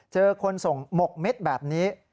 เจอคนส่งหมกเม็ดแบบนี้